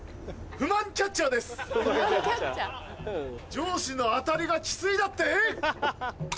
上司の当たりがキツいだって？